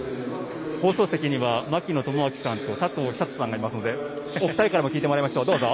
放送席には槙野智章さんと佐藤寿人さんがいますのでお二人からも聞いてもらいましょう。